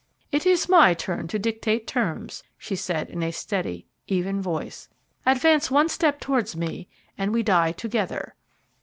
"It is my turn to dictate terms," she said, in a steady, even voice. "Advance one step towards me, and we die together.